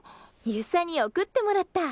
遊佐に送ってもらった。